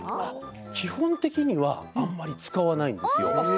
基本的にはあまり使わないんですよ。